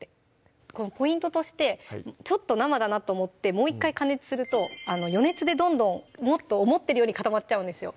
ポイントとしてちょっと生だなと思ってもう１回加熱すると余熱でどんどん思ってるより固まっちゃうんですよ